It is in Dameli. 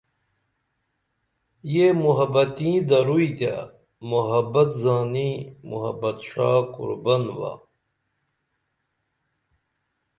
یہ محبت تیں دروئی تے محبت زانی محبت ݜا قُربن با